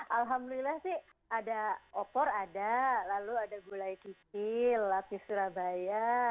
alhamdulillah sih ada opor ada lalu ada gulai kicil lapis surabaya